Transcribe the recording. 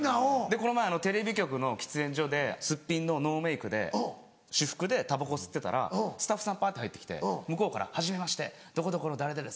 この前テレビ局の喫煙所ですっぴんのノーメイクで私服でたばこ吸ってたらスタッフさんぱって入って来て向こうから「はじめましてどこどこの誰々です